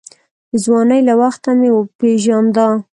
د ځوانۍ له وختو مې پېژاند.